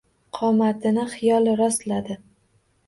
Qomatini xiyol rostladi.